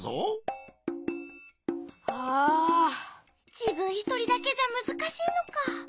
じぶんひとりだけじゃむずかしいのか。